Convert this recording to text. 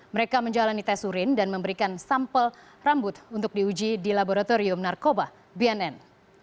mereka menjalani tes urin dan memberikan sampel rambut untuk diuji di laboratorium narkoba bnn